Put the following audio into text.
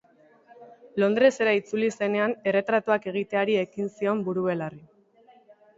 Londresera itzuli zenean erretratuak egiteari ekin zion buru-belarri.